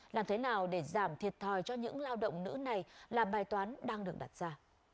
làm thế nào để giảm thiệt thòi cho những lao động nữ này là bài toán đang được đặt ra